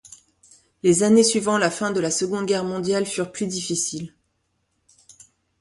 Les années suivant la fin de la Seconde Guerre mondiale furent plus difficiles.